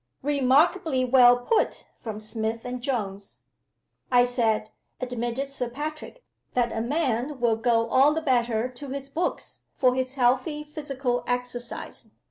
"Remarkably well put!" from Smith and Jones. "I said," admitted Sir Patrick, "that a man will go all the better to his books for his healthy physical exercise.